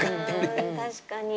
確かに。